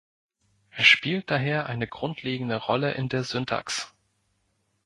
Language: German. Es spielt daher eine grundlegende Rolle in der Syntax.